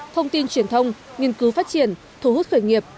thông tin truyền thông nghiên cứu phát triển thú hút khởi nghiệp